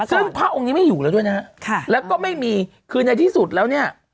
ซึ่งพระองค์นี้ไม่อยู่แล้วด้วยนะฮะแล้วก็ไม่มีคือในที่สุดแล้วเนี่ย